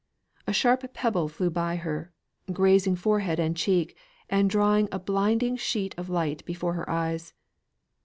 A sharp pebble flew by her, grazing forehead and cheek, and drawing a blinding sheet of light before her eyes.